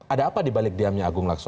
ada apa di balik diamnya agung laksa